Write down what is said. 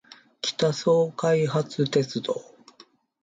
北総開発鉄道